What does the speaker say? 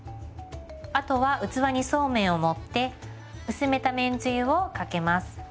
あとは器にそうめんを盛って薄めためんつゆをかけます。